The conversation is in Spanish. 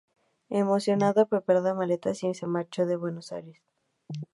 Emocionado preparó maletas y se marchó de Buenos Aires.